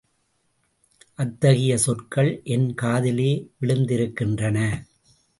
அத்தகைய சொற்கள் என் காதிலே விழுந்திருக்கின்றன.